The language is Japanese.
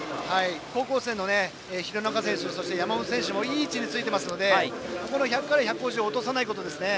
高校生の弘中選手、山本選手もいい位置についていますので１００から１５０で落とさないことですね。